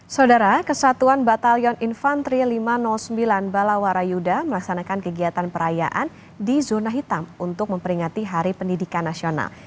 saudara kesatuan batalion infantri lima ratus sembilan balawara yuda melaksanakan kegiatan perayaan di zona hitam untuk memperingati hari pendidikan nasional